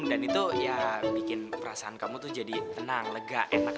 dan itu ya bikin perasaan kamu tuh jadi tenang lega enak